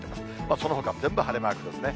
そのほか全部晴れマークですね。